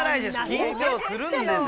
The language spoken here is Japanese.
緊張するんですよ